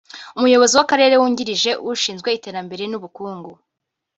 Umuyobozi w’Akarere wungirije ushinzwe iterambere n’ubukungu